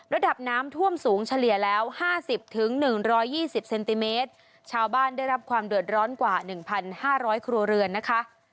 ระดับน้ำท่วมสูงเฉลี่ยแล้ว๕๐๑๒๐เซนติเมตรชาวบ้านได้รับความเดือดร้อนกว่า๑๕๐๐ครัวเรือนนะคะ